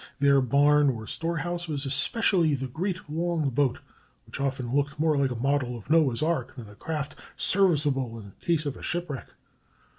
Their barn, or storehouse, was especially the great long boat, which often looked more like a model of Noah's ark than a craft serviceable in case of shipwreck.